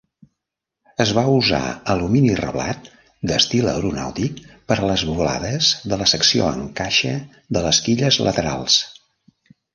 Es va usar alumini reblat d'estil aeronàutic per a les volades de la secció en caixa de les quilles laterals.